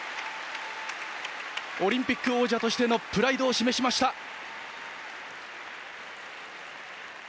オリンピック王者としてのプライドを示しました。